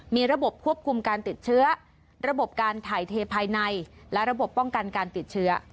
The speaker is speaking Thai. มีระบบควบคุมการติดเชื้อระบบการถ่ายเทภายในและระบบป้องกันการติดเชื้อ